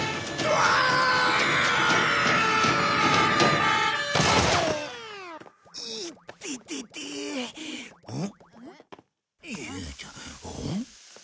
うん！？